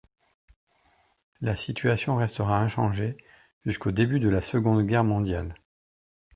La situation restera inchangée jusqu’au début de la Seconde Guerre mondiale.